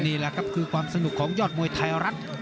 นี่แหละครับคือความสนุกของยอดมวยไทยรัฐ